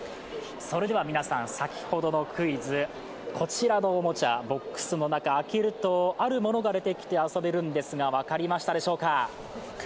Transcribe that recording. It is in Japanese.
それでは先ほどのクイズこちらのおもちゃボックスの中、開けるとあるものが出てきて遊べるんですが分かりましたでしょうか？